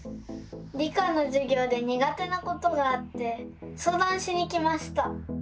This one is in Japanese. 理科のじゅぎょうでにが手なことがあってそうだんしに来ました。